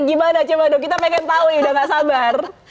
gimana coba dong kita pengen tahu ya udah gak sabar